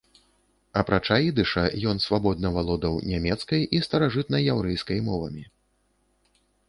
Апрача ідыша, ён свабодна валодаў нямецкай і старажытнаяўрэйскай мовамі.